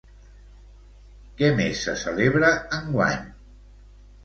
Què més se celebra enguany?